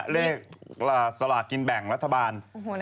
เลขสลากกินแบ่งรัฐบาล